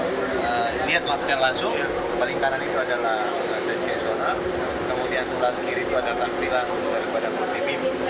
misalnya kita lihat secara langsung paling kanan itu adalah side scan sonar kemudian sebelah kiri itu adalah tampilan untuk badan multi beam